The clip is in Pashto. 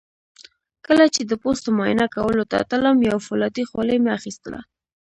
کله چې د پوستو معاینه کولو ته تلم یو فولادي خولۍ مې اخیستله.